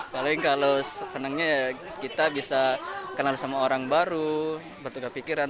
paling kalau senangnya ya kita bisa kenal sama orang baru bertugas pikiran